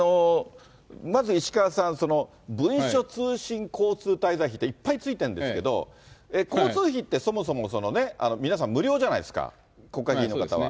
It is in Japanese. まず石川さん、文書通信交通滞在費って、いっぱいついてるんですけど、交通費って、そもそも皆さん無料じゃないですか、国会議員の方は。